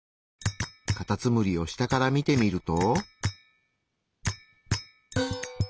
カタツムリを下から見てみると。